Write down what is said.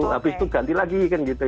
habis itu ganti lagi kan gitu